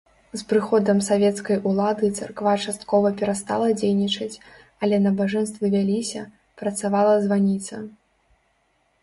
З прыходам савецкай улады царква часткова перастала дзейнічаць, але набажэнствы вяліся, працавала званіца.